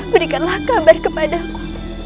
berikanlah kabar kepadaku